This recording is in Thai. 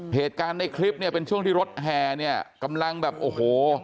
เหตุการณ์ในคลิปเนี่ยเป็นช่วงที่รถแห่เนี่ยกำลังแบบโอ้โห